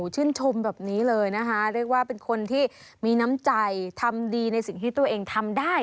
ชื่นชมแบบนี้เลยนะคะเรียกว่าเป็นคนที่มีน้ำใจทำดีในสิ่งที่ตัวเองทำได้